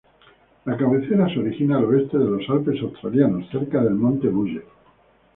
La cabecera se origina al oeste de los Alpes Australianos, cerca del Monte Buller.